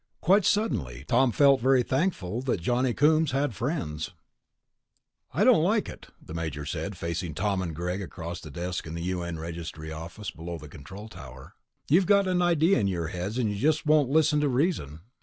Quite suddenly, Tom felt very thankful that Johnny Coombs had friends.... "I don't like it," the Major said, facing Tom and Greg across the desk in the U.N. Registry office below the control tower. "You've gotten an idea in your heads, and you just won't listen to reason."